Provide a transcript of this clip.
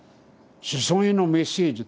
「子孫へのメッセージ」。